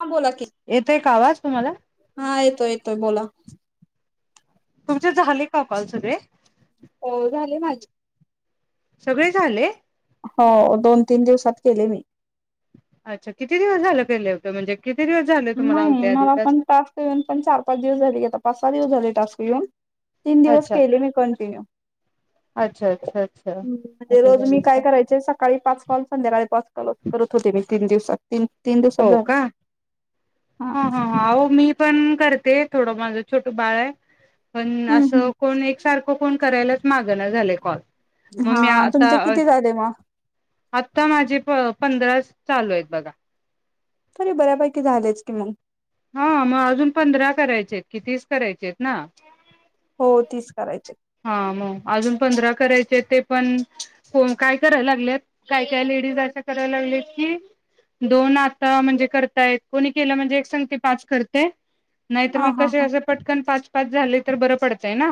हा बोला की येतोय का आवाज तुम्हाला? हा येतोय येतोय बोला तुमचे झाले का कॉल सगळे? हो झाले माझे सगळे झाले! हो दोन तीन दिवसात केले मी अच्छा किती दिवस झालं गेले होत म्हणजे किती दिवस झाले तुम्हाला नाही आलते आधी मला पण टास्क येऊन पण चार पाच दिवस झाल की आता पाच सा दिवस झाले. टास्क येवून तीन दिवस अच्छा केले मी कंटिन्यू अच्छा अच्छा अच्छा. म्हणजे असं रोज झालं मी का? काय करायचे? सकाळी पाच काल, संध्याकाळी पाच काल करत होते, मी तीन दिवसात. ते तीन दिवसात हो झाले का? हा हा हा अहो मी प पण करते थोडं माझं छोटं बाळ आहे. पण हम्म हम्म असं कोण एकसारखं कोण करायलाचं मागणा झालेयं कॉल. मग मी हां आता तुमचे किती झाले मं? आत्ता माझे प पंधरा चालू आहेत बघा. तरी बऱ्यापैकी झालेचं की मंग. हा मग अजून पंधरा करायचे आहेत कि तीस करायचे आहेत ना? हो तीस करायचे. हा मग अजून पंधरा करायचे ते पण कोण काय कराय लागलेत काय काय लेडीज अशा कराय लागलेत की दोन आता म्हणजे करताय कोणी केलं म्हणजे एक संगते पाच करतय नाहीतर हा मग हा कसे हा असं पटकन पाच. पाच झाले तर बरं पडचंय ना?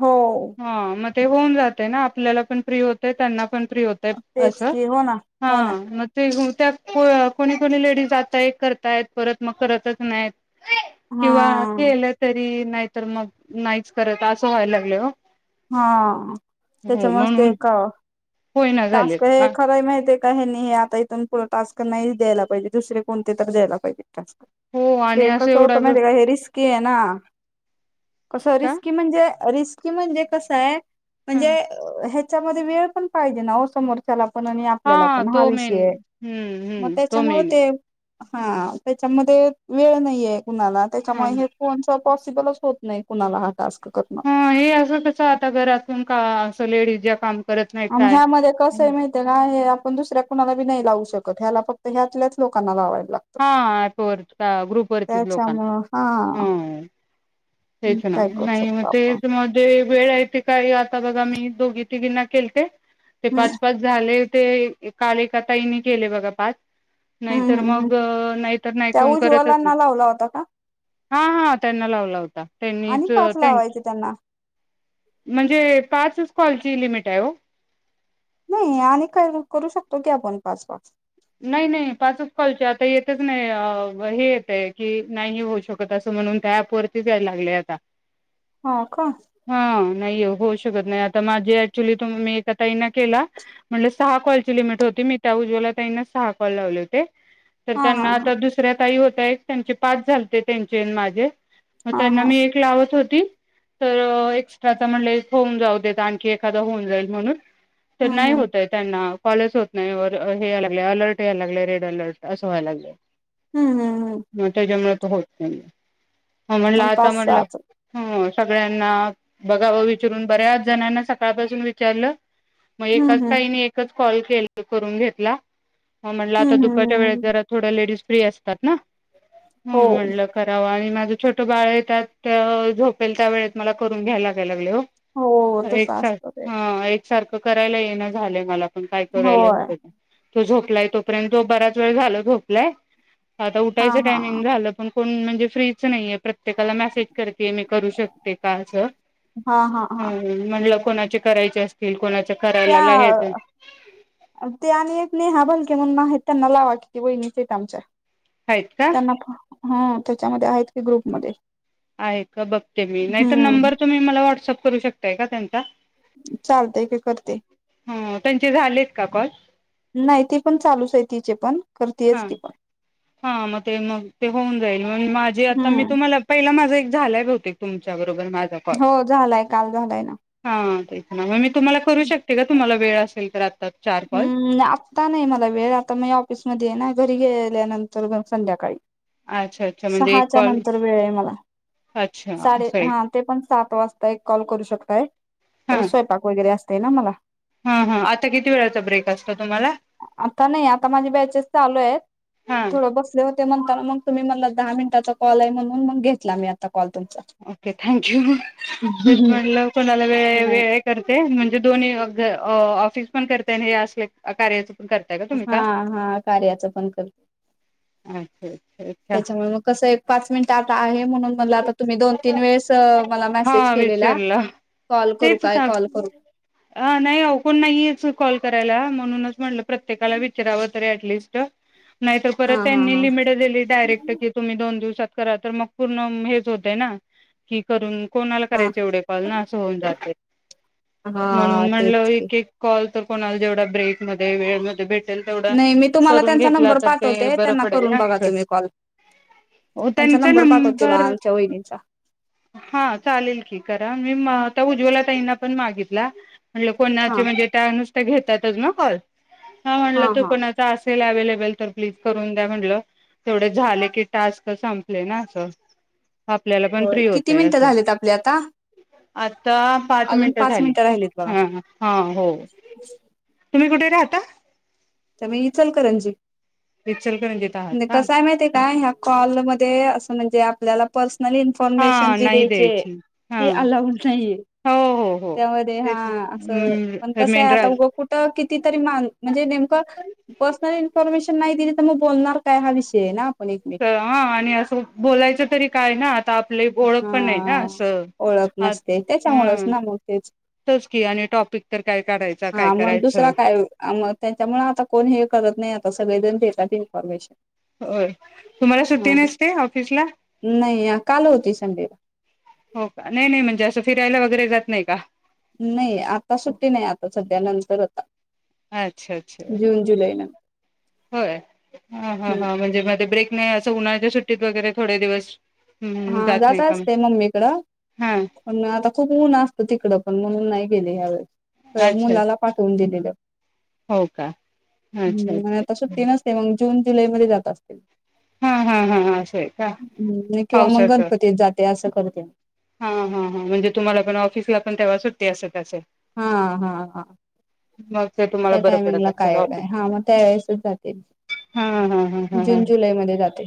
हो. हा मग ते होऊन जातयना ना आपल्याला पण फ्री होतय त्यांना पण फ्री होतंय तेच अस की हो ना हा हो ना मग ते होतं कोणी कोणी लेडीज जातायंतं करतायत परत मग करतचं नाय्त. किंवा हा. केलं तरी नाही तर मग नाहीच करत असं व्हायला लागल हो. हा त्याच्या मस्त म्हणून का होईना झालेत टास्क हे आ खरं माहिती आहे का? काही नाही हे आता इथून पुढ टास्क नाही द्यायला पाहिजे दुसरे कोणते तर द्यायला पाहिजे. टास्क हो आणि हे असं कसं एवढा होतं वेळ माहिती आहे का हे रिस्क के ना कस का रिस्की म्हणजे रिस्की म्हणजे कसय म्हणजे अ ह्य त्यामधे वेळ पण पाहिजे ना ओ समोरच्याला [unintelligible] पण आणि आपल्याला पण हा तो मेन विषय हम्म म हम्म तो त्याच्यामुळ मेन ते हा त्याच्यामधे वेळ नाहीये कुणाला हा त्याच्यामुळे हे फोन सब पॉसिबलच होत नाही कुणाला हा टास्क करणं हां हे असंच [unintelligible] [unintelligible] च आता घरातून का अस लेडीज ज्या काम करत नाहीत अनं काय ह्यामधे कसंय हे माहितये का हे आ पण दुसऱ्या कुणालाबी नाही लावू शकत ह्याला फक्त ह्यातल्याच लोकांना लावाय हा ऍपवरच्या ग्रुप वरच्याच त्याच्यामुळं लोकांना हा हअ तेच ना काय करू नाही म शकतो आपण तेच म जे वेळ ये ते कार्यत त बघा मी दोघी तिघींना केलते ते हम्म पाच पाच झाले ते काल एका ताईनी केले बघा पाच हम्म नाहीतर हम्म मग अ, नाहीतर नाही त्या कोण करतच नाही उज्वलांना लावला होता का हा हा त्यांना लावला होता. त्यांनीच आणि पाच त्यांच लावायचे त्यांना [inaudible] म्हणजे पाच कॉलची लिमिट ओ नाही आणि काय तरी करू शकतो की आपण पाच पाच नाही नाही पाचच कॉलचे आता येतच नाही अब हे येतय की नाही होऊ शकत असं म्हणून त्या अँप वरतीच यायला लागलय आता. हा का हा नाही ओ होऊ शकत नाही आता माझी ऍक्च्युली मी एका ताईना केला म्हणल सहा कॉलची लिमिट होती मी त्या उज्ज्वला ताईंना सहा कॉल लावले होते तर हा हा त्यांना हा आता दुसऱ्या ताई होत्या एक त्यांचे पाच झालते त्यांचे अन् माझे म हा त्यांना हा मी एक लावत होत [unintelligible] तर एक्स्ट्राच म्हणले होऊन जाऊ देत आणखी एखाद होऊन जाईल म्हणून तर हम्म नाही हम्म होतय त्यांना कॉलेज होत नाही वर हे आल्या [unintelligible] लेअलर्ट याय लागलय रेड अलर्ट असं व्हाय लागलय हूं हूं हूं होत नाही हो म्हटलं आता पाच म्हटलं सहाच हो सगळ्यांना बघावं विचारून बऱ्याच जणांना सकाळपासून विचारलं मग हम्म एकाच हम्म ताईने एकच कॉल केल करून घेतला हो म्हणलं आता हम्म हम्म दुपच्या वेळेत हम्म जरा थोड लेडीज फ्री असतात ना? हूं हो म्हणलं करावं आणि मा छोट बाळयं त्यातं यं झोपेल त्या वेळेत मला करून घ्यायला लागालंय ओ हो तस असतं ते. सारखं करायला येईना झालंय मला पण काय करायला होय होतयं का? तो झोपलाय तोपर्यंत जो बराच वेळ झाला झोपलाय. आता हा उठायचं हा टायमिंग झालं पण कोण म्हणजे फ्रीच नाहीेये प्रत प्रत्येकाला मेसेज करते मी करू शकते का? असं हा हा हा [unintelligible] हा म्हणल कोणाचे करायचे असतील कोणा त्या त्यानी नेहा बलके म्हणून आहेत त्यांना लावा की त्या वहीणीच आहेत आमच्या. आहेत का? त्यांना हा त्याच्यामध्ये आहेत की ग्रुपमध्ये. आहे का बघते मी नाही तर हम्म नंबर तुम्ही मला व्हॉट्सअप करू शकताय का त्यांचा? चालतय की करते. ह त्यांचे झालेत का कॉल नाही ती पण चालूच आहे तिचे पण. हा करतेयच ती पण हा मग ते मग ते होऊन जाईल माझे आता मी हम्म तुम्हाला पहिला माझा एक झालाय भीयतेक तुमच्या बर. हो झालाय काल झालाय ना. प्रामाणिक तुम्हाला करू शकते का तुम्हाला? वेळ असेल तर आ हम्म आता नाही मला वेळ आता म ऑफिसमध्येध्ये आहे ना. घरी गेल्यानंतर मग संध्याकाळी. अच्छा अच्छा म्हणजे एक सहाच्या कॉल नंतर वेळ आहे मला. अच्छा साडे असं आहे हा ते पण सात वाजता एक कॉल करू शकताय, हा परत स्वयपाक वगैरे अस ते ना मला हा हा आता किती वेळेचा ब्रेक असता आता नाही आता माझी बॅचेस चालू हेत हा थोडं बसले होते म्हणताना मग तुम्ही मला दहा मिनिटाचा कॉल आहे म्हणून मग घेतला मी आता कॉल तुमचा ओके थँक यू! तेच म्हटलं कोणाला वेळ आहे नाही वेळ आहे करते म्हणजे दोन्ही अ ज पण करते ना हे असले कार्याचं हा हा कार्याचं पण कर. अच्छा अच्छा अच्छा त्याच्यामुळे मग कस एक पाच मिनिट आता आहे म्हणून म्हणलं आता तुम्ही दोन तीन वेळेस मला हा मॅसेज केलेला विचारलं कॉल करू तेच काय ना कॉल करू अ नाही अहो कोण नाहीच कॉल करायला म्हणूनच म्हणलं प्रत्येकाला विचरावं तरी ऍटलीस्ट नाही तर हा परत हा त्यांनी लिमिट दिली डायरेक्ट की तुम्ही दोन दिवसात करा तर मग पूर्ण म हेच होतयं ना, कि करून कोणाला हा करायचे एवढे कॉल हा ना अस होऊन जातंय हा म्हणून तेच म्हणलं की एक एक कॉल तर कोणाला जेवढा ब्रेक मध्ये वेळ मिळतोय भेट नाही मी तुम्हाला त्यांचा नंबर पाठवते त्यांना करून बघा तुम्ही कॉल ओ त्यांचा पाठवते तुला नंबर आमच्या वहिनीचा हा चालेल कि करा मी म-अ-ता उज्ज्वला ताईंना पण मागितला म्हणजे कोणाचे हा म्हणजे त्यानुस त्या घेतातच ना कॉल? ह हा म्हणलं तो हा कोणाचा अस तिला अँवेलेबल तर प्लीज करून काय म्हटलं तेवढे झाले की टास्क संपले ना असं आपल्याला पण होय फ्री किती मिनिटं झालेत आपले आता? अ आत्ता पाच अजून मिनटं झाली. मिनिटं राहिलीत बघा ह-हा होय. तुम्ही कुठे राहता? त्यामुळे इचलकरंजी इचलकरंजीत आहात नायी का कसंय माहिती काय, ह्या कॉलमध्ये असं म्हणजे आपल्याला पर्स मला इमफॉर्मेशन हा जी नाही द्यायची आहे हा ती अलाऊड नाहीये हो हो हो त्यामध्ये हा तेच असं पण कस आहे मेंढरा आता उग कुठं कितीतरी माणसं म्हणजे नेम पर्सनल इन्फॉर्मेशन नाही दिली तर, मग बोलणार काय? हा विषय आहे ना. एकमेक त हा आणि असं बोलायचं तरी काय ना आता पली ओळख पण नाही ना हा असं ओळख हा नसते त्याच्यामुळेच ह ना मग तेच तेच की आणि टॉपिक तर काय काढाय हा मग दुसरा काय मग अन त्यांच्यामुळ अता आपण हे करत नाही नाही आता सगळे जण देतात इनफॉर्मेशन होय तुम्हाला सुट्टी नसते ऑफिसला? नाही काल होती संडेला हो का नाही नाही म्हणजे असं फिरायला वगैरे जात नाही का? नाही आता सुट्टी नाही आता सध्या नंतर आता अच्छा अच्छा जून जुलै नंतर होय हा हा हा म्हणजे मध्ये ब्रेक नाही असं उन्हाळ्याच्या सुट ट्टीत वगैरे थोडे दिवस.... हम्म हा जात नाही का मग असते मम्मीकडं हा पण आता खूप ऊन असत तिकड पण म्हणून नाही गेले ह्यावेळेस अच्छा मुलाला पाठवून दिलेलं हो का अच्छा हम्म आता अच्छा. सुट्टी नसते मग जून.... जुलैमध्ये जात असतील हा हा हा हा असय का नाही किंवा मंग पावसाचं गणपतीत जाते असं करते. हा हा हां म्हणजे तुम्हाला पण ऑफिसला पण तेव्हा सुट्टी असेल असेल हा हा हा मग ते तुम्हाला त्या बर पडत टायमिंगला असेल काय एवढं आहे हा मग त्यावेेळेसच जाते हा हा हा हा. हा जून जुलैमध्ये जाते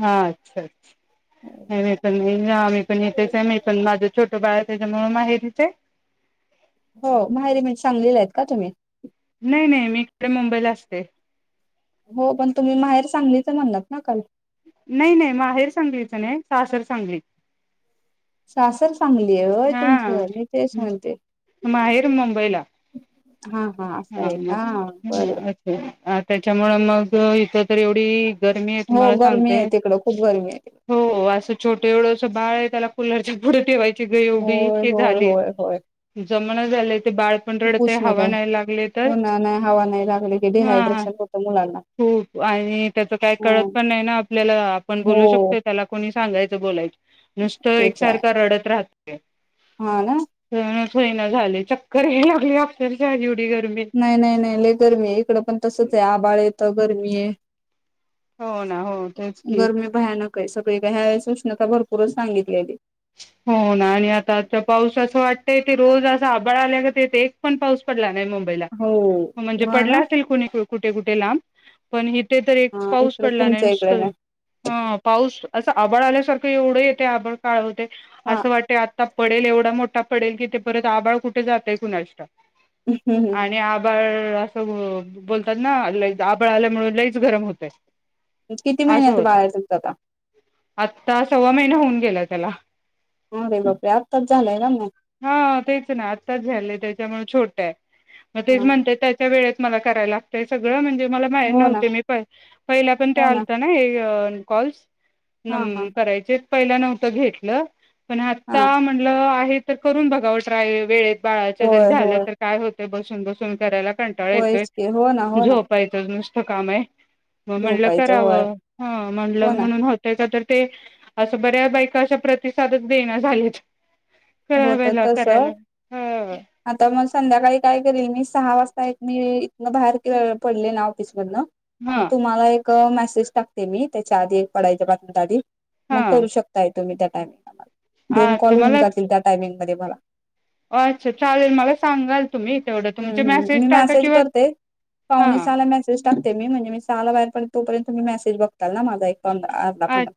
हा, अच्छा अच्छा आम्ही पल तेचय मी पण माझ छोटं बाळ त्याच्यामुळे माहेरीचय हो माहेरी म्हणजे सांगलीला आहेत का तुम्ही? नाही नाही मी इकड मुंबईला असते हो पण तुम्ही माहेर सांगलीच म्हणालात ना काल? नाही नाही माहेर सांगलीच नाही, सासर सांगली. सासर सांगली आहे होय हा तुमचं मी तेच म्हणते माहेर मुंबईला हा हा असं आहे का बर त्याच्यामुळे मग इथ तर एवढी गरमी आहे हो तुम्हाला गरमी सांगते. आहे तिकडं खूप गरमी आहे हो असं छोटे एवढ अस बाळ आहे त्याला कुलर च्या पुढ ठेवायचं ती एवढी होय हे होय झालीय होय होय जमणा झालय ते बाळ पण खूप रडतंय उष्णता हवा आहे. नाही. ले हो तर ना नाही हवा नाही लागली की हा हा डिहायड्रेशन होतं मुलांना. हो आणि त्याच काय कळत ह पण नाही ना आपल्याला आपण हो बोलू शकतोय न त्याला कोणी सांगायचं बोलायंच नुसत तेच आहे एकसारख रडत राह तर हा ना होईना झाले चक्कर यायला लागली अक्षरशा [unintelligible] बीगर नाय नाय नाय लय गरमी आहे इकडं पण तसचय आभाळ येत गर्मी आहे हो ना हो तेच की का सगळी का ह्या उष्णता भरपूरच सांगितलेली. हो ना आणि आता आजचा पाऊस असं वाटतय की रोज असा आभाळ आल्या गत येतय एक पण पाऊस पडला नाही म हो [unintelligible] म्हणजे हा पडला ना असेल कुणीकडून कुठे कुठे लांब पण हीत कुठेतरी हा पाऊस इकडे पडला नाही तुमच्या नुसत इकडे हा पाऊस अस आभाळ आल्या सकाळी एवढं येतय आभाळ काळवट हा अस वाटतय आ ता पडेल एवढा मोठा पडेल की, ते परत आभाळ कुठे जातय कुणाच ठाऊ आणि आबाळ असं बोलतात ना लय आबळ आल्यामुळ लईच गरम होतय. किती असं महिन्याच होत बाळ आहे तुमचं आता आत्ता सव्वा महिना होऊन गेलात त्याला हा भई बापरे आताच झालाय ना म त्यामुळ छोट्याय म तेच म्हणतोय त्याच्या वेळेत मला करायला लागतय सगळं म्हणजे मला माहि हो ना नव्हते मी पहिल्यापण त्या आलत्या ना यअ कॉल्स हा हा नम्म करायचेत पहिल नव्ह त घेतल पण हा आत्ता म्हंटल आहेत. त करून बघाव ट्राय वेळेत बाळाच्या जर होय झाल होय तर काय होत ते बसून बसून करायला कंटाळ येतोय होयच की हो ना हो ना झोपायच नुस त काम आहे. म म्हणलं झोपायचं होय करावं हं म्हणल हो ना म्हणून होतय का तर ते असं बऱ्याबै तशा प्रतिसादच देण झालेत.... होत करायला तस करायला ह आता म संध्याकाळी काय करील मी सहा वाजता एक मी इथन बाहेर पडले ना ऑपिस [unintelligible] हा म तुम्हाला एक क मेसेज टाकते मी त्याच्या आधी एक पढायच्या पाच मिनट आधी..... हा मग करू शकताय तुम्ही त्या टाइमिंग अच्छा मला.... टायमिंग मध्ये मला अच्छा चालेल मला सांगाल तुम्ही तेवढं तुमचे हम् हम् मेसेज मी टाका किंवा करते हा पावणे सहाला मेसेज टाकते मी म्हणजे मी सहाला बाहेर पडेल तो पर्यंत तुम्ही मॅसेज बघताल ना माझा एक- पंधरा अर्धा पंधरा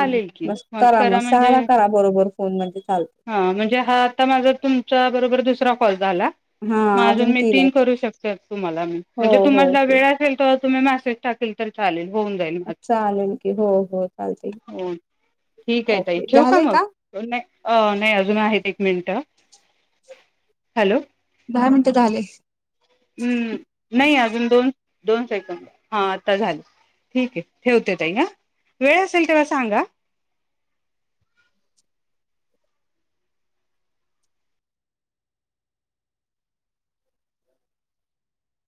हा की बस करा मग सहाला म्हणजे करा बरोबर..... फोन म्हणजे चालते हा म्हणजे हा आता माझा तुमच्या बरोबर दुसरा कॉल झाला मग अजून मी तीन करू शकते तुम्हाला मी हो म्हणजे हो तुम्हाला तीन वेळ असेल तर?? तुम्ही मेसेज टाकेल तर चालेल होऊन जाईल माझ चालेल की हो हो चालते हो ठीकये ताई ओके ठेवू का झाले मग ना नाही अजून आहेत. एक मिनिट हॅलो दहा मिनटं झाले. हं नाही अजून दोन दोन सेकंड हा आता झाल ठीकये ठेवते ताई ह वेळ असेल तेव्हा सांगा.